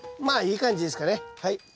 まあいい感じですかねはい。